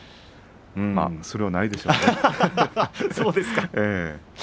まあ、それはないでしょうけどね。